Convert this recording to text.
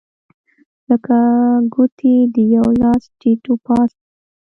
لکه ګوتې د یوه لاس ټیت و پاس وې.